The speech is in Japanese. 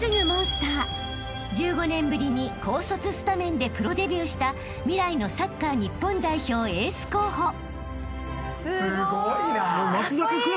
［１５年ぶりに高卒スタメンでプロデビューした未来のサッカー日本代表エース候補］